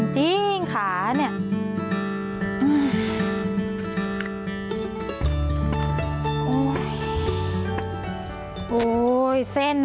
จริงขาเนี่ย